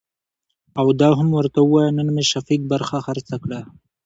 او دا هم ورته وايه نن مې شفيق برخه خرڅه کړه .